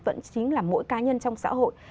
vẫn chính là mỗi cá nhân trong xã hội